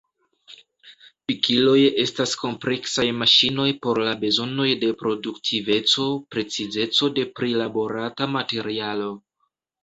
Pikiloj estas kompleksaj maŝinoj por la bezonoj de produktiveco, precizeco de prilaborata materialo.